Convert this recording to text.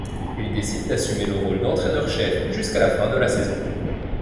Il décide d'assumer le rôle d'entraîneur-chef jusqu'à la fin de la saison.